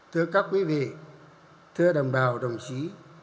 thưa các quý vị thưa đồng bào đồng chí